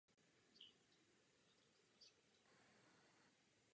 Umístila je sem městská Správa služeb na doporučení městské policie.